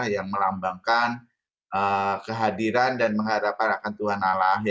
yang melambangkan kehadiran dan mengharapkan akan tuhan allah